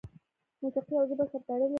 موسیقي او ژبه سره تړلي دي.